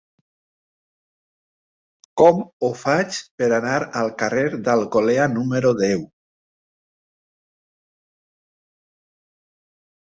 Com ho faig per anar al carrer d'Alcolea número deu?